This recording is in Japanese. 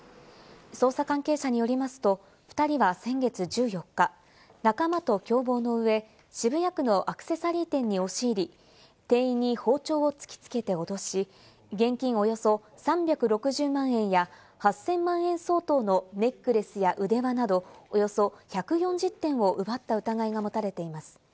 捜査関係者によりますと２人は先月１４日、仲間と共謀のうえ、渋谷区のアクセサリー店に押し入り、店員に包丁を突きつけておどし、現金およそ３６０万円や８０００万円相当のネックレスや腕輪など、およそ１４０点を奪った疑いが持たれています。